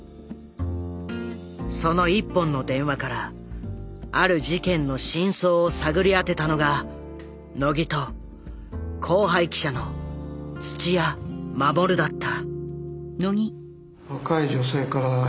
その一本の電話からある事件の真相を探り当てたのが野木と後輩記者の土屋守だった。